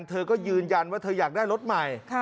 เธอก็ยืนยันว่าเธออยากได้รถใหม่